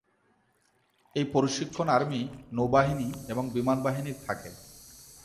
এই প্রশিক্ষণ আর্মি, নৌবাহিনী এবং বিমানবাহিনীর থাকে।